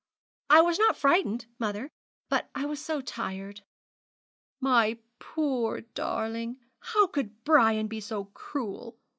I was not frightened, mother, but I was so tired.' 'My poor darling! how could Brian be so cruel?'